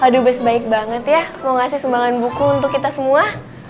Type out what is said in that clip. aduh best baik banget ya mau ngasih sumbangan buku untuk kita semua